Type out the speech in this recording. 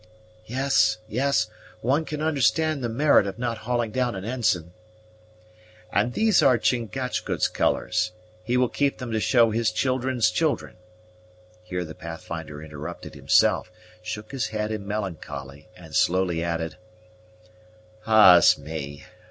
"Yes, yes; one can understand the merit of not hauling down an ensign." "And these are Chingachgook's colors he will keep them to show his children's children " Here the Pathfinder interrupted himself, shook his head in melancholy, and slowly added, "Ah's me!